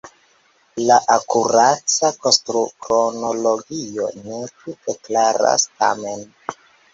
La akurata konstrukronologio ne tute klaras tamen.